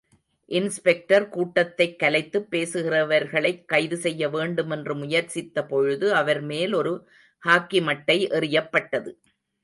Inspector கூட்டத்தைக் கலைத்துப் பேசுகிறவர்களைக் கைது செய்ய வேண்டுமென்று முயற்சித்தபொழுது அவர்மேல் ஒரு ஹாக்கி மட்டை எறியப்பட்டது.